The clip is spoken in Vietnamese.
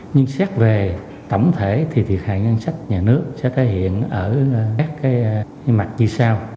nhưng xét về tổng thể thì thiệt hại ngân sách nhà nước sẽ thể hiện ở các cái mặt như sau